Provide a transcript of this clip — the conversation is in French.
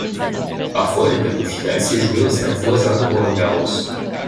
Parfois, le tableau final s'est joué au stade voisin de Roland-Garros.